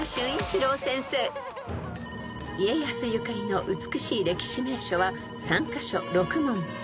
［家康ゆかりの美しい歴史名所は３カ所６問］